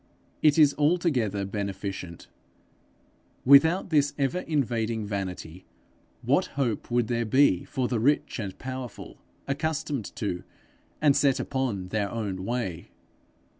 It is altogether beneficent: without this ever invading vanity, what hope would there be for the rich and powerful, accustomed to, and set upon their own way?